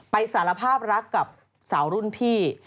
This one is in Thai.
สารภาพรักกับสาวรุ่นพี่